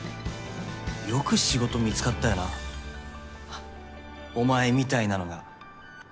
よく仕事見つかったよなははっお前みたいなのが。